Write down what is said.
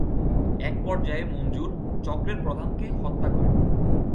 এক পর্যায়ে মনজুর চক্রের প্রধানকে হত্যা করে।